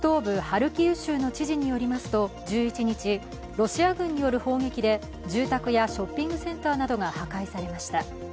ハルキウ州の知事によりますと、１１日、ロシア群による砲撃で住宅やショッピングセンターなどが破壊されました。